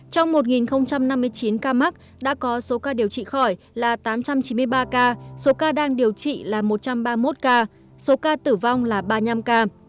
trong một năm mươi chín ca mắc đã có số ca điều trị khỏi là tám trăm chín mươi ba ca số ca đang điều trị là một trăm ba mươi một ca số ca tử vong là ba mươi năm ca